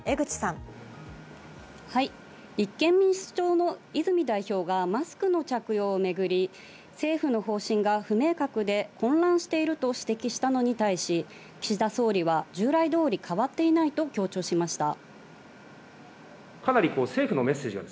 立憲民主党の泉代表がマスクの着用をめぐり政府の方針が不明確で混乱していると指摘したのに対し、岸田総理は従来通り変わっていないと強調しました。